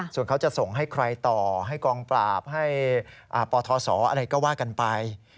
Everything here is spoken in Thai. ส่วนเขาจะส่งให้ใครต่อให้กองปราบให้ปทศอะไรก็ว่ากันไป